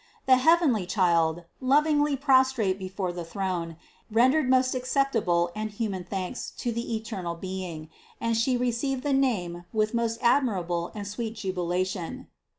The heavenly Child, lov ingly prostrate before the throne, rendered most accepta ble and human thanks to the eternal Being; and She re ceived the name with most admirable and sweet jublia tion.